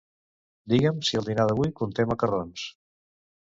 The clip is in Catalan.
Digue'm si el dinar d'avui conté macarrons.